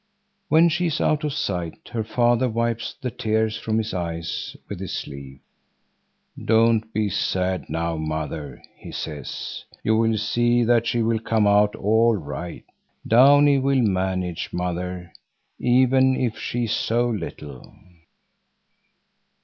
When she is out of sight, her father wipes the tears from his eyes with his sleeve. "Don't be sad now, mother!" he says. "You will see that she will come out all right. Downie will manage, mother, even if she is so little."